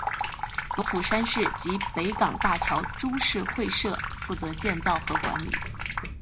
由釜山市及北港大桥株式会社负责建造和管理。